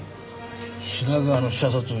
品川の射殺。